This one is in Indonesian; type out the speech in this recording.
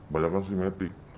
banyak kan sih matic